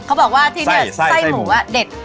เขาบอกว่าที่นี่ไส้หมูเด็ด